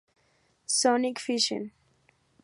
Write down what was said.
Sonic Fishing